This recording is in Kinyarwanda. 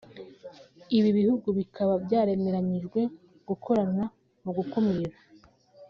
Ibi bihugu bikaba byaremeranyijwe gukorana mu gukumira